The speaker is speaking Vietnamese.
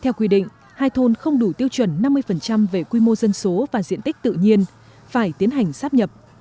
theo quy định hai thôn không đủ tiêu chuẩn năm mươi về quy mô dân số và diện tích tự nhiên phải tiến hành sắp nhập